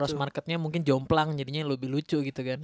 terus marketnya mungkin jomplang jadinya lebih lucu gitu kan